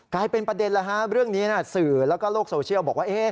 กลายเป็นประเด็นแล้วฮะเรื่องนี้สื่อแล้วก็โลกโซเชียลบอกว่า